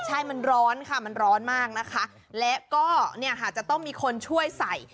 ใช่มันร้อนค่ะมันร้อนมากนะคะและก็เนี่ยค่ะจะต้องมีคนช่วยใส่